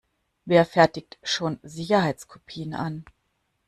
Wer fertigt schon Sicherheitskopien an?